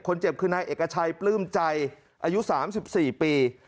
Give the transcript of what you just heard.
คนเจ็บคือนายเอกชัยปลื้มใจอายุสามสิบสี่ปี